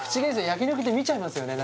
焼き肉って見ちゃいますよね